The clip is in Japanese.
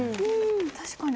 確かに。